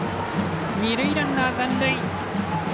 二塁ランナー残塁。